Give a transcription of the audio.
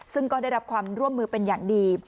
ซึ่งก็ได้รับความร่วมมือเป็นอย่างดี